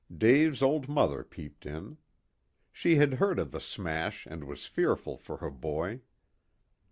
Dave's old mother peeped in. She had heard of the smash and was fearful for her boy.